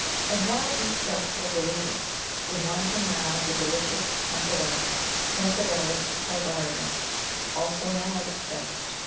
And why eat doubtful Boletus when one can have the delicious Chantarelle (Cantharellus cibarius), also now at its best?